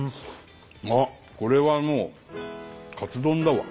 あっこれはもうカツ丼だわ。